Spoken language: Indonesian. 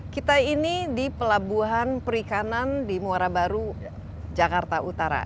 kita ini di pelabuhan perikanan di muara baru jakarta utara